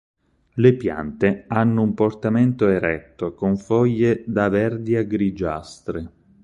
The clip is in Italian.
Le piante hanno un portamento eretto con foglie da verdi a grigiastre.